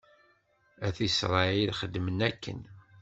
At Isṛayil xedmen akken.